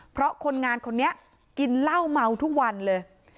เพราะคนงานคนนี้กินเหล้าเมาทุกวันเลย